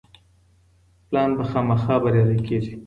پلان به خامخا بريالی کيږي.